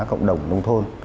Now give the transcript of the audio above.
cộng đồng nông thôn